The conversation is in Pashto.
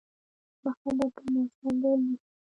مخه به په موثِر ډول نیسي.